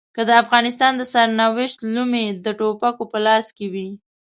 که د افغانستان د سرنوشت لومې د ټوپکو په لاس کې وي.